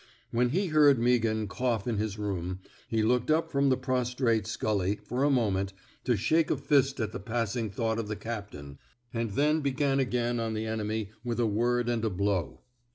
When he heard Meaghan cough in his room, he looked up from the prostrate Scully, for a moment, to shake a fist at the passing thought of the captain, and then 252 A PERSONALLY CONDUCTED REVOLT began again on the enemy with a word and a blow.